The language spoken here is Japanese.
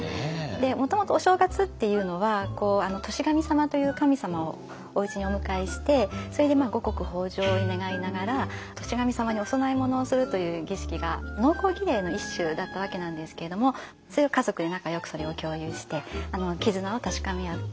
もともとお正月っていうのは年神様という神様をおうちにお迎えしてそれで五穀豊穣を願いながら年神様にお供え物をするという儀式が農耕儀礼の一種だったわけなんですけれどもそれを家族で仲よくそれを共有して絆を確かめ合う。